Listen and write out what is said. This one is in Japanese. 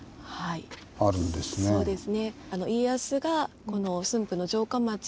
そうですね。